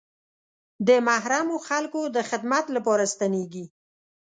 د محرومو خلکو د خدمت لپاره ستنېږي.